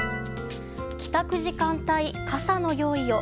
帰宅時間帯、傘の用意を。